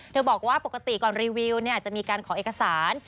บอกว่าปกติก่อนรีวิวจะมีการขอเอกสาร